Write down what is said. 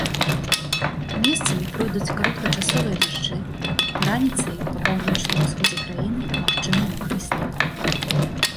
Месцамі пройдуць кароткачасовыя дажджы, раніцай па паўночным усходзе краіны магчымы мокры снег.